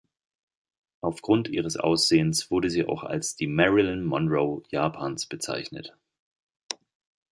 Auf Grund ihres Aussehens wurde sie auch als die „Marilyn Monroe Japans“ bezeichnet.